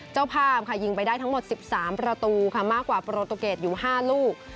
เจ้าภาพค่ะยิงไปได้ทั้งหมด๑๓ประตูค่ะมากกว่าโปรตูเกตอยู่๕ลูก